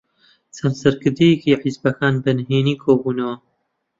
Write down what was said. چەند سەرکردەیەکی حیزبەکان بەنهێنی کۆبوونەوە.